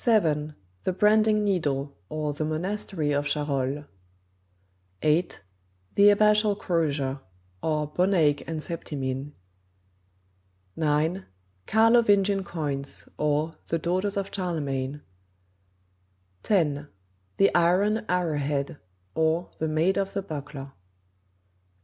The Branding Needle; or, The Monastery of Charolles; 8. The Abbatial Crosier; or, Bonaik and Septimine; 9. Carlovingian Coins; or, The Daughters of Charlemagne; 10. The Iron Arrow Head; or, The Maid of the Buckler; 11.